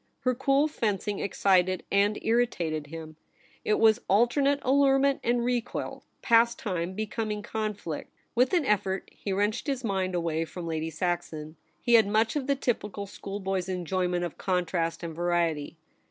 Her cool fencing excited and irritated him. It was alternate allurement and recoil — pas time becoming conflict. With an effort, he wrenched his mind away from Lady Saxon. He had much of the typical schoolboy's enjoyment of contrast and variety.